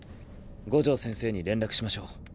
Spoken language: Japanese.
五条先生に連絡しましょう。